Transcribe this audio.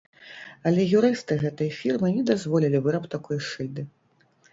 Але юрысты гэтай фірмы не дазволілі выраб такой шыльды.